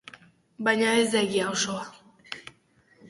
Baina ez da egia osoa.